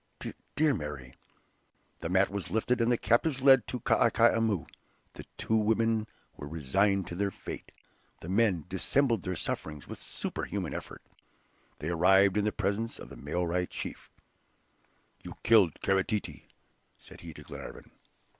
dear Mary " The mat was lifted, and the captives led to Kai Koumou; the two women were resigned to their fate; the men dissembled their sufferings with superhuman effort. They arrived in the presence of the Maori chief. "You killed Kara Tete," said he to Glenarvan.